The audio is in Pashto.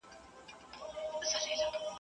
گيدړي ته خپله لکۍ بلا سوه.